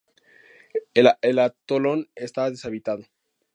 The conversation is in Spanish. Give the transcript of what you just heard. El atolón está deshabitado.